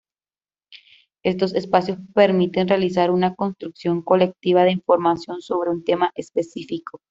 Estos espacios permiten realizar una construcción colectiva de información sobre un tema específico.